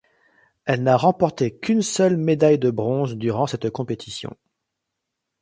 Elle n'a remporté qu'une seule médaille de bronze durant cette compétition.